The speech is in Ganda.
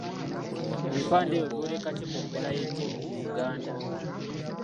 Ebipande ebyo byoleka ki ku mbeera y’ennimi mu Uganda?